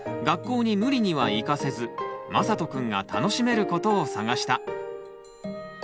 学校に無理には行かせずまさとくんが楽しめることを探した。